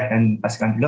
dan pastikan juga